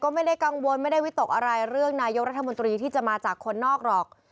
ไม่ได้กังวลไม่ได้วิตกอะไรเรื่องนายกรัฐมนตรีที่จะมาจากคนนอกหรอก